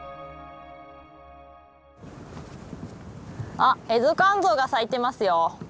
あっエゾカンゾウが咲いてますよ。